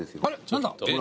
何だ？